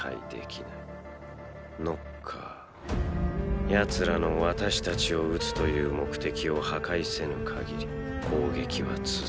ノッカー奴らの「私達を討つ」という目的を破壊せぬかぎり攻撃は続く。